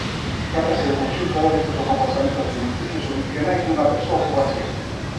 Trátase do conxunto de hábitos ou comportamentos alimenticios ou nutricionais dunha persoa ou poboación.